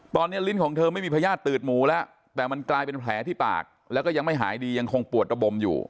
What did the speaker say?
ตอนนี้ลิ้นของเธอไม่มีพญาติตืดหมูแล้วแต่มันกลายเป็นแผลที่ปากแล้วก็ยังไม่หายดียังคงปวดระบมอยู่